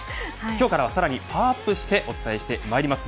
今日からはさらにパワーアップしてお伝えしてまいります。